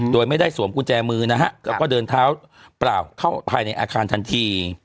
โดยไม่ได้สวมกุญแจมือนะฮะแล้วก็เดินเท้าเปล่าเข้าภายในอาคารทันที